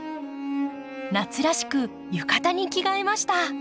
夏らしく浴衣に着替えました。